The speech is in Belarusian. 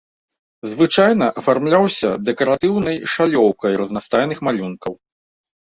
Звычайна афармляўся дэкаратыўнай шалёўкай разнастайных малюнкаў.